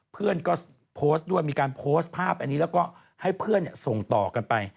เพื่อนมีการโพสต์ภาพส่งต่อกันไป